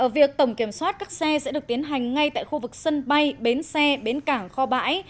việc tổng kiểm soát các xe sẽ được tiến hành ngay tại khu vực sân bay bến xe bến cảng kho bãi